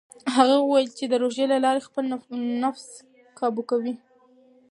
هغه وویل چې د روژې له لارې خپل نفس کابو کوي.